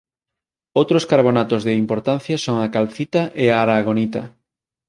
Outros carbonatos de importancia son a calcita e a aragonita.